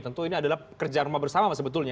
tentu ini adalah kerjaan rumah bersama sebetulnya